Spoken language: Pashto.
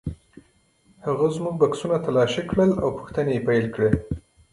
هغې زموږ بکسونه تالاشي کړل او پوښتنې یې پیل کړې.